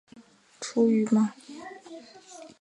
出生于伊利诺伊州杰佛逊县。